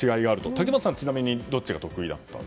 竹俣さんは、ちなみにどっちが得意でした？